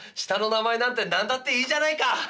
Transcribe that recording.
下の名前なんて何だっていいじゃないか！